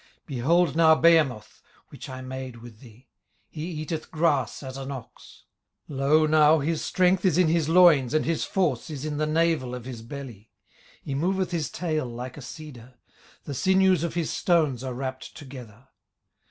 18:040:015 Behold now behemoth, which I made with thee; he eateth grass as an ox. 18:040:016 Lo now, his strength is in his loins, and his force is in the navel of his belly. 18:040:017 He moveth his tail like a cedar: the sinews of his stones are wrapped together.